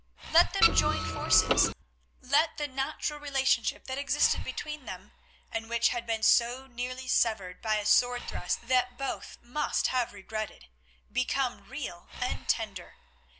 Let them join forces; let the natural relationship that existed between them, and which had been so nearly severed by a sword thrust that both must have regretted, become real and tender.